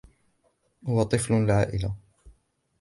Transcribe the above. هو طفل العائلة.